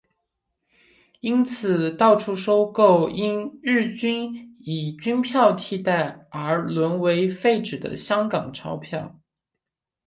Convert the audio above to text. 因此到处收购因日军以军票代替而沦为废纸的香港钞票。